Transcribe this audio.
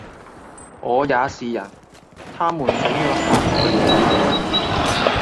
我也是人，他們想要喫我了！